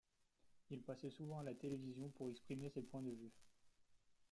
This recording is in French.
Il passait souvent à la télévision pour exprimer ses points de vue.